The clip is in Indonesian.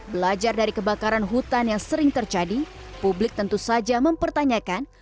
belajar dari kebakaran hutan yang sering terjadi publik tentu saja mempertanyakan